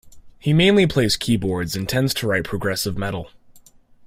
He mainly plays keyboards and tends to write progressive metal.